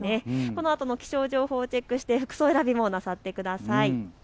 このあとの気象情報をチェックして服装選びもなさってください。